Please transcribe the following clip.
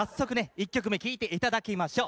１曲目聴いて頂きましょう。